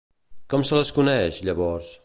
Com se les coneix, llavors?